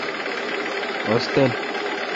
اوس تل۔